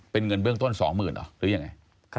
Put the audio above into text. เป็นเงินเบื้องต้น๒๐๐๐เหรอหรือยังไง